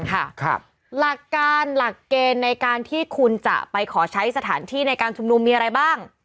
หลักการหลักเกณฑ์ในการที่คุณจะไปขอใช้สถานที่ในการชุมนุมมีอะไรบ้าง